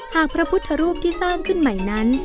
พระพุทธรูปที่สร้างขึ้นใหม่นั้น